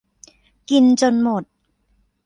กินจดหมด